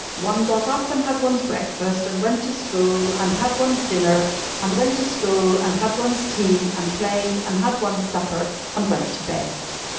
One got up, and had one's breakfast, and went to school, and had one's dinner, and went to school, and had one's tea, and played, and had one's supper, and went to bed.